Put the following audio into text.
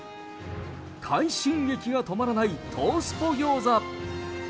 快進撃が止まらない東スポ餃子。